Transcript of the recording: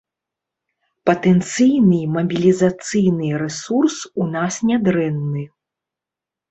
Патэнцыйны мабілізацыйны рэсурс у нас нядрэнны.